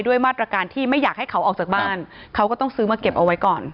มาตรการที่ไม่อยากให้เขาออกจากบ้านเขาก็ต้องซื้อมาเก็บเอาไว้ก่อน